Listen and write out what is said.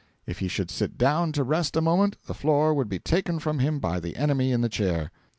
If he should sit down to rest a moment, the floor would be taken from him by the enemy in the Chair.